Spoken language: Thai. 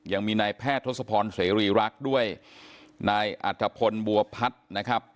ยังมีนายแพทย์ทศพรเสรีรักษ์ด้วยนายอัธพลบัวพัฒน์นะครับ